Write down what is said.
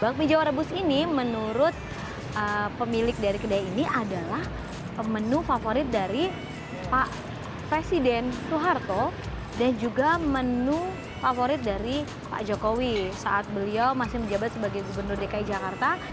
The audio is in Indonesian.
bakmi jawa rebus ini menurut pemilik dari kedai ini adalah menu favorit dari pak presiden soeharto dan juga menu favorit dari pak jokowi saat beliau masih menjabat sebagai gubernur dki jakarta